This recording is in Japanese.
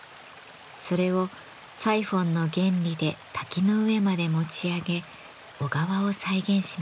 それをサイフォンの原理で滝の上まで持ち上げ小川を再現しました。